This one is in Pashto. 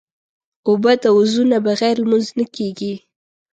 اوبه د وضو نه بغیر لمونځ نه کېږي.